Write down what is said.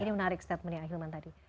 ini menarik statementnya ahilman tadi